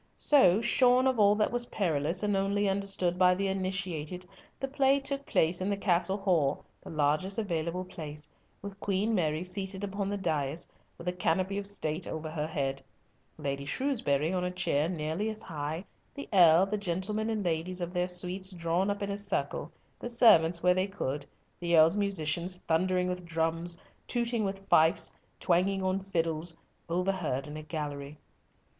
So, shorn of all that was perilous, and only understood by the initiated, the play took place in the Castle Hall, the largest available place, with Queen Mary seated upon the dais, with a canopy of State over her head, Lady Shrewsbury on a chair nearly as high, the Earl, the gentlemen and ladies of their suites drawn up in a circle, the servants where they could, the Earl's musicians thundering with drums, tooting with fifes, twanging on fiddles, overhead in a gallery.